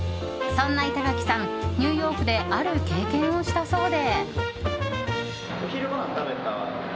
そんな板垣さん、ニューヨークである経験をしたそうで。